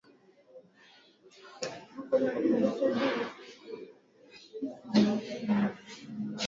Uislamu na wakazi ni Waislamu hasa Wahausa Kusini kuna